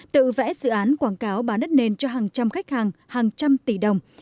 tự vẽ dự án quảng cáo bán đất nền cho hàng trăm khách hàng hàng trăm tỷ đồng